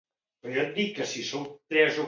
El meu nom és Pilar: pe, i, ela, a, erra.